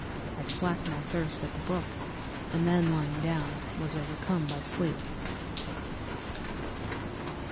I slaked my thirst at the brook, and then lying down, was overcome by sleep.